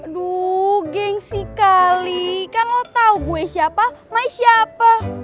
aduuuh gengsi kali kan lo tau gue siapa mah siapa